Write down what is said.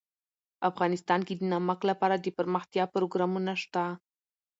افغانستان کې د نمک لپاره دپرمختیا پروګرامونه شته.